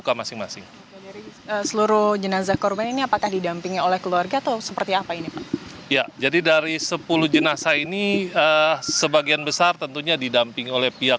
seperti apa ini ya jadi dari sepuluh jenazah ini sebagian besar tentunya didampingi oleh pihak